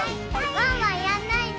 ワンワンやんないの？